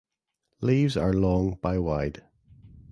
Leaves are long by wide.